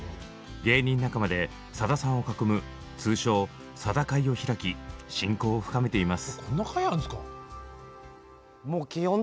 芸人仲間でさださんを囲む通称「さだ会」を開き親交を深めています。